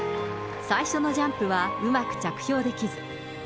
最初のジャンプはうまく着氷できず。